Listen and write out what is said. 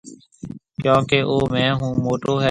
ڪيونڪيَ او مهيَ هون موٽو هيَ